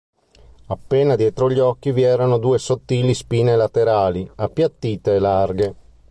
Appena dietro gli occhi vi erano due sottili spine laterali, appiattite e larghe.